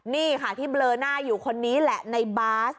นี่ค่ะที่เบลอหน้าอยู่คนนี้แหละในบาส